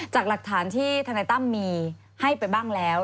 จากหลักฐานที่ธนายตั้มมีให้ไปบ้างแล้ว